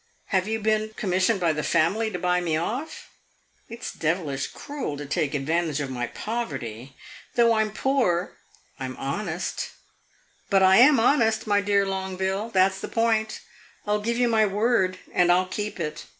Have you been commissioned by the family to buy me off? It 's devilish cruel to take advantage of my poverty! Though I 'm poor, I 'm honest. But I am honest, my dear Longueville; that 's the point. I 'll give you my word, and I 'll keep it.